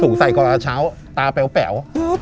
ถูกใส่ก็ตราแช้วตาเป๋ว